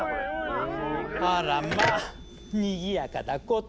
あらまあにぎやかだこと。